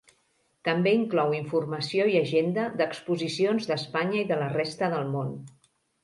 També inclou informació i agenda d'exposicions d'Espanya i de la resta del món.